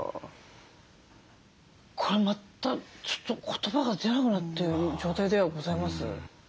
これまたちょっと言葉が出なくなってる状態ではございます。